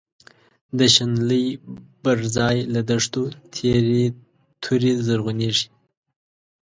د شنلی بر ځای له دښتو، تیری توری زرعونیږی